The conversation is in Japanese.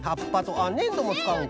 あっねんどもつかうんか。